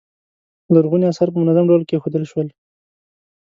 لرغوني اثار په منظم ډول کیښودل شول.